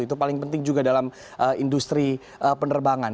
itu paling penting juga dalam industri penerbangan